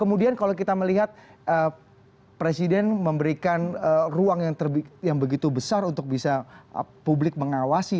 kemudian kalau kita melihat presiden memberikan ruang yang begitu besar untuk bisa publik mengawasi